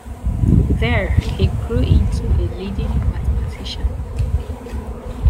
There he grew into a leading mathematician.